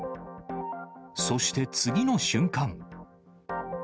そして次の瞬間。